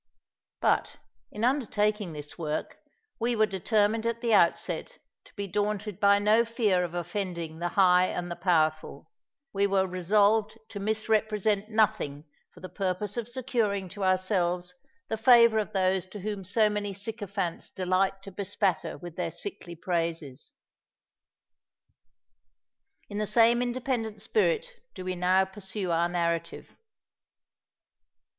But, in undertaking this work, we were determined at the outset to be daunted by no fear of offending the high and the powerful: we were resolved to misrepresent nothing for the purpose of securing to ourselves the favour of those whom so many sycophants delight to bespatter with their sickly praises. In the same independent spirit do we now pursue our narrative.